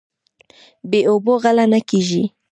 بې اوبو غله نه کیږي.